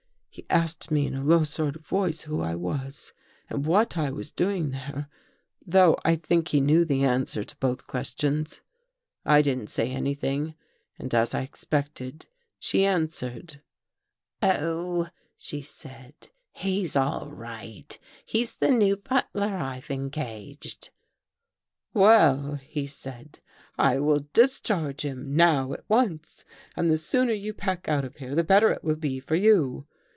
He asked me in a low sort of voice who I was and what I was doing there, though I think he knew the answer to both questions. I didn't say anything and as I expected, she answered. "' Oh,' she said, ' he's all right. He's the new butler I've engaged.' "'Well,' he said, 'I will discharge him — now — at once. And the sooner you pack out of here the better it will be for you.